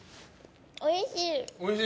おいしい！